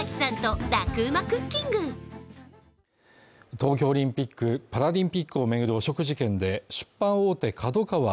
東京オリンピック・パラリンピックを巡る汚職事件で、出版大手ＫＡＤＯＫＡＷＡ